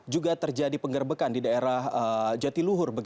juga terjadi penggerbekan di daerah jatiluhur